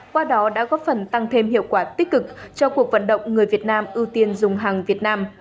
qua đó đã góp phần tăng thêm hiệu quả tích cực cho cuộc vận động người việt nam ưu tiên dùng hàng việt nam